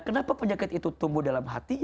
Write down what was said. kenapa penyakit itu tumbuh dalam hatinya